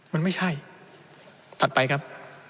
มันไม่ใช่ถัดไปครับ